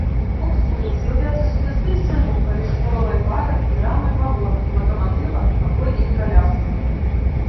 Буксуе з'яўляецца сувязным звяном паміж колавай парай і рамай вагона, лакаматыва або іх каляскай.